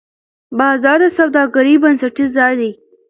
بازار د سوداګرۍ بنسټیز ځای دی.